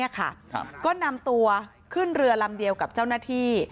ก็นำตัวขึ้นเรือลำเดียวกับเจ้าหน้าที่